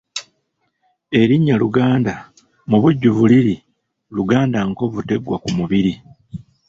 Erinnya Luganda mubujjuvu liri Luganda nkovu teggwa ku mubiri.